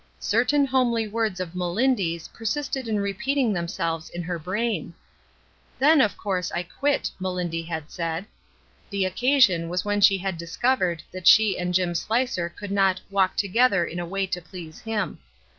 Certain homely words of Melindy's persisted in repeat ing themselves in her brain. "Then, of course, I quit," Melindy had said. The occasion was when she had discovered that 308 ESTER RIED^S NAMESAKE she and Jim Slicer could not "walk together in a way to please Him."